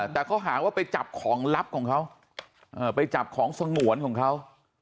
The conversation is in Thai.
แต่เขาหาว่าไปจับของลับของเขาไปจับของสงวนของเขา